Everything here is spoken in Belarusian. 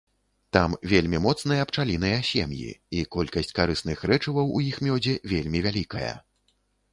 Там вельмі моцныя пчаліныя сем'і, і колькасць карысных рэчываў у іх мёдзе вельмі вялікая.